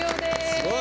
すごい！